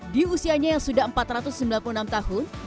di usianya yang sudah empat ratus sembilan puluh enam tahun